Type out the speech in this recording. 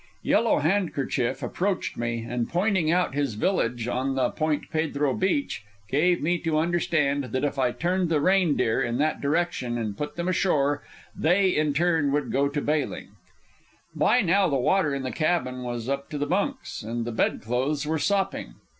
Yellow Handkerchief approached me, and, pointing out his village on the Point Pedro beach, gave me to understand that if I turned the Reindeer in that direction and put them ashore, they, in turn, would go to bailing. By now the water in the cabin was up to the bunks, and the bed clothes were sopping.